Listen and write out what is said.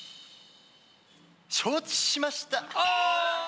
承知しました。